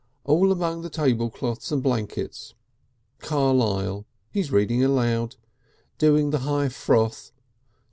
All among the table cloths and blankets. Carlyle. He's reading aloud. Doing the High Froth.